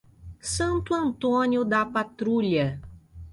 Santo Antônio da Patrulha